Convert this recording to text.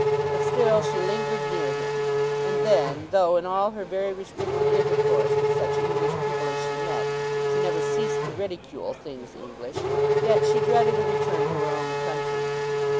But still she lingered near him. And then, though, in all her very restricted intercourse with such English people as she met, she never ceased to ridicule things English, yet she dreaded a return to her own country.